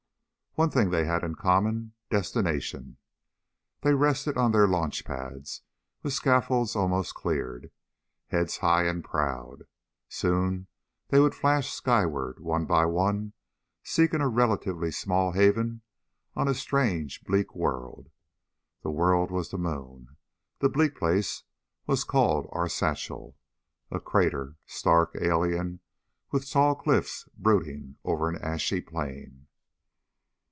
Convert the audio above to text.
One thing they had in common destination. They rested on their launch pads, with scaffolds almost cleared, heads high and proud. Soon they would flash skyward, one by one, seeking a relatively small haven on a strange bleak world. The world was the moon; the bleak place was called Arzachel, a crater stark, alien, with tall cliffs brooding over an ashy plain.